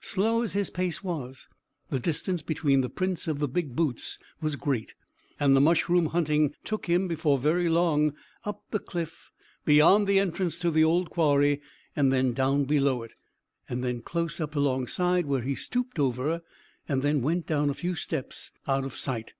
Slow as his pace was, the distance between the prints of the big boots was great, and the mushroom hunting took him, before very long, up the cliff beyond the entrance to the old quarry, then down below it, and then close up alongside, where he stooped over, and then went down a few steps out of sight.